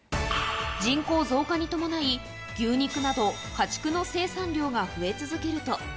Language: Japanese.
人口増加に伴い、牛肉など、家畜の生産量が増え続けると。